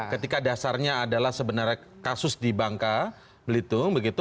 ketika dasarnya adalah sebenarnya kasus di bangka belitung begitu